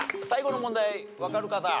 最後の問題わかる方。